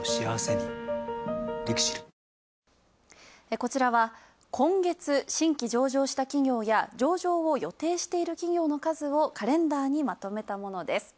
こちらは今月新規上場した企業や上場を予定している企業の数をカレンダーにまとめたものです。